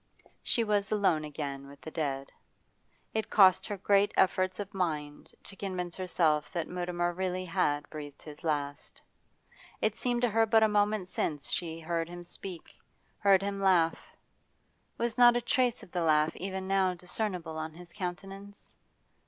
She was alone again with the dead. It cost her great efforts of mind to convince herself that Mutimer really had breathed his last; it seemed to her but a moment since she heard him speak, heard him laugh; was not a trace of the laugh even now discernible on his countenance?